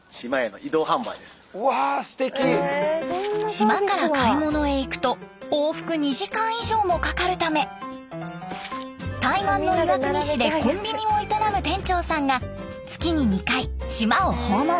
島から買い物へ行くと往復２時間以上もかかるため対岸の岩国市でコンビニを営む店長さんが月に２回島を訪問。